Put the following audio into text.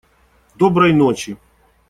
Доброй ночи.